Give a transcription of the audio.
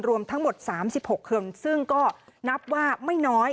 รวมทั้งหมด๓๖คนซึ่งก็นับว่าไม่น้อย